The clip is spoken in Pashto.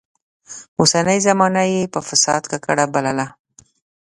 اوسنۍ زمانه يې په فساد ککړه بلله.